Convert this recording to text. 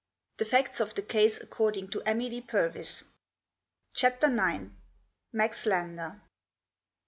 ♦ THE FACTS OF THE CASE ACCORDING TO EMILY PURVI&) CHAPTER IX. MAX LANDER.